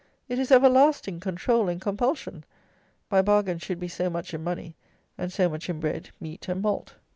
It is everlasting control and compulsion. My bargain should be so much in money, and so much in bread, meat, and malt.